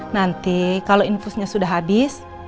nanti kalau infusnya sudah habis